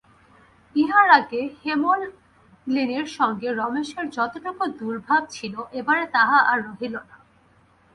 ইহার আগে হেমনলিনীর সঙ্গে রমেশের যতটুকু দূরভাব ছিল, এবারে তাহা আর রহিল না।